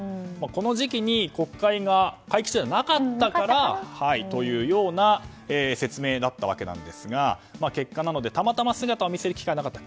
この時期に国会が会期中じゃなかったからというような説明だったわけですが結果なのでたまたま姿を見せる機会がなかった。